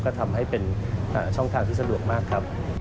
ก็ทำให้เป็นช่องทางที่สะดวกมากครับ